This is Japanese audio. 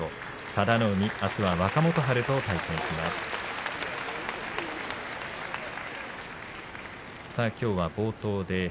佐田の海はあす若元春との対戦です。